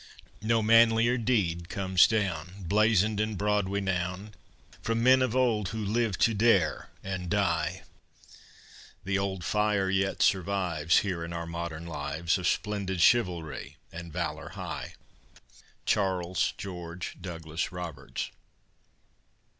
No manlier deed comes down, Blazoned in broad renown, From men of old who lived to dare and die! The old fire yet survives, Here in our modern lives, Of splendid chivalry and valor high! CHARLES GEORGE DOUGLAS ROBERTS.